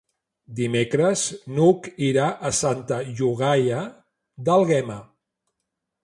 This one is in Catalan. Dimecres n'Hug irà a Santa Llogaia d'Àlguema.